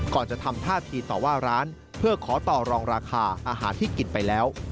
ก่อนจะทำท่าทีต่อว่าร้านเพื่อขอต่อรองราคาอาหารที่กินไปแล้ว